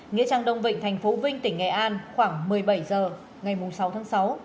nghĩa trang đông vịnh tp vinh tỉnh nghệ an khoảng một mươi bảy h